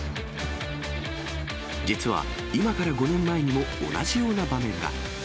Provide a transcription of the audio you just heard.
実は、今から５年前にも同じような場面が。